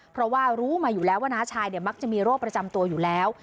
เพราะว่ารู้มาอยู่แล้วว่าน้าชายมักจะมีโรคประจำตัวอยู่แล้ว